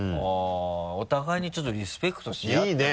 お互いにちょっとリスペクトし合ってますね。